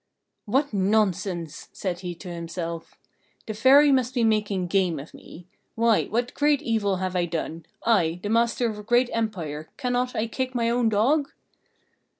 "What nonsense!" said he to himself. "The Fairy must be making game of me. Why, what great evil have I done? I, the master of a great empire, cannot I kick my own dog?"